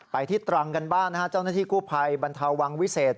ไปที่ตรังกันบ้านนะฮะเจ้าหน้าที่กู้ภัยบรรเทาวังวิเศษ